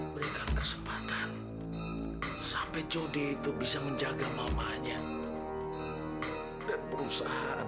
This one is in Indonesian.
berikan kesempatan sampai jodi itu bisa menjaga mamanya dan berusaha